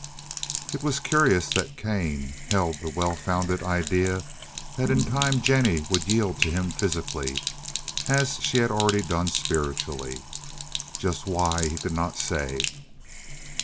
It was curious that Kane held the well founded idea that in time Jennie would yield to him physically, as she had already done spiritually. Just why he could not say.